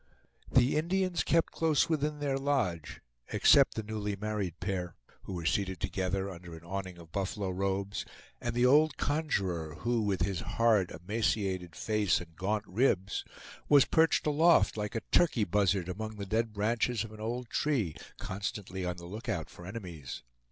The Indians kept close within their lodge except the newly married pair, who were seated together under an awning of buffalo robes, and the old conjurer, who, with his hard, emaciated face and gaunt ribs, was perched aloft like a turkey buzzard among the dead branches of an old tree, constantly on the lookout for enemies.